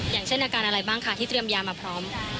อย่างเช่นอาการอะไรบ้างคะที่เตรียมยามาพร้อม